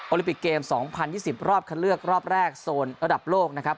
ลิปิกเกม๒๐๒๐รอบคันเลือกรอบแรกโซนระดับโลกนะครับ